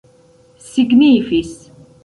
signifis